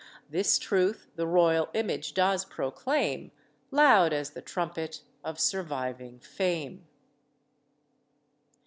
This truth the royal image does proclaim Loud as the trumpet of surviving fame."